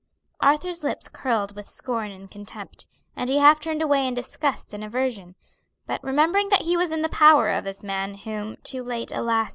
Arthur's lips curled with scorn and contempt, and he half turned away in disgust and aversion; but remembering that he was in the power of this man, whom, too late, alas!